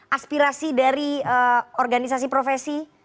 aspirasi dari organisasi profesi